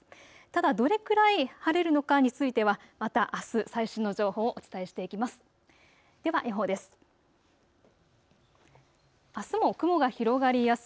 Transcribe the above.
ただどれくらい晴れるかについてはまたあす最新の情報をお伝えしていきます。